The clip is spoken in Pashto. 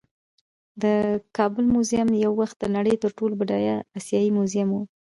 د کابل میوزیم یو وخت د نړۍ تر ټولو بډایه آسیايي میوزیم و